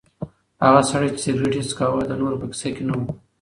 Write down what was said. هغه سړی چې سګرټ یې څکاوه د نورو په کیسه کې نه و.